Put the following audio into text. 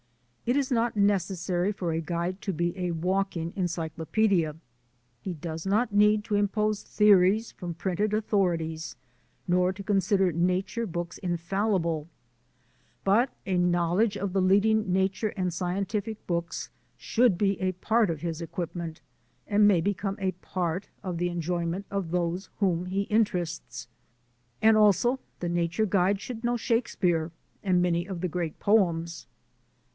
It is not necessary for a guide to be a walking encyclopedia. He does not need to impose theories from printed authorities nor to consider nature books infallible; but a knowledge of the leading nature and scientific books should be a part of his equipment and may become a part of the enjoy ment of those whom he interests. And, also, the nature guide should know Shakespeare and many of the great poems.